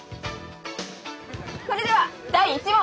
それでは第１問。